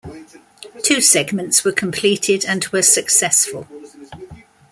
Two segments were completed and were successful.